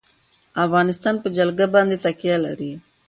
افغانستان په جلګه باندې تکیه لري.